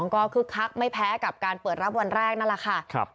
ก็คึกคักไม่แพ้กับการเปิดรับวันแรกนั่นแหละค่ะ